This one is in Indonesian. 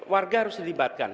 warga harus dilibatkan